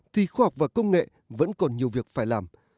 thì khoa học và công nghệ vẫn còn nhiều việc phải làm